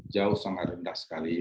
jauh sangat rendah sekali